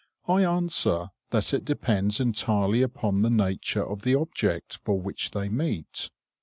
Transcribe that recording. I answer that it depends entirely upon the nature of the object for which they meet.